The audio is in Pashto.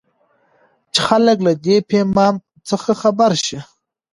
چې خلک له دې پيفام څخه خبر شي.